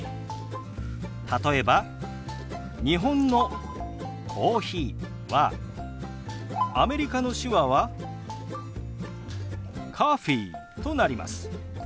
例えば日本の「コーヒー」はアメリカの手話は「ｃｏｆｆｅｅ」となります。